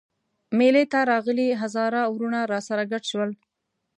مېلې ته راغلي هزاره وروڼه راسره ګډ شول.